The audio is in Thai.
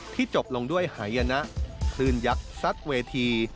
จบลงด้วยหายนะคลื่นยักษ์ซัดเวที